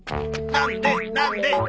なんでなんで？